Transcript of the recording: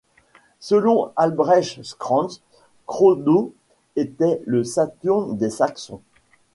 Selon Albrecht Krantz, Krodo était le Saturne des Saxons.